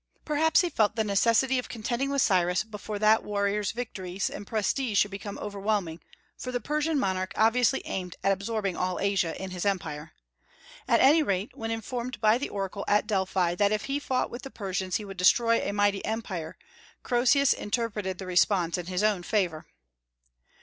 Perhaps he felt the necessity of contending with Cyrus before that warrior's victories and prestige should become overwhelming, for the Persian monarch obviously aimed at absorbing all Asia in his empire; at any rate, when informed by the oracle at Delphi that if he fought with the Persians he would destroy a mighty empire, Croesus interpreted the response in his own favor.